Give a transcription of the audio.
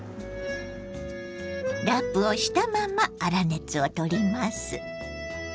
ラップをしたまま粗熱を取ります。